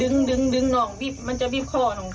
ดึงน้องมันจะบีบข้อน้อง